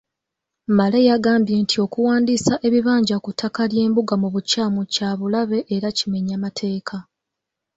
Male yagambye nti okuwandiisa ebibanja ku ttaka ly’embuga mu bukyamu kyabulabe era kimenya mateeka.